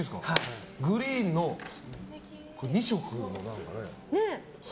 グリーンの２色の何か。